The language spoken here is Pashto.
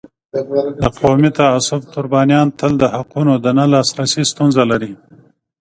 د قومي تعصب قربانیان تل د حقونو د نه لاسرسی ستونزه لري.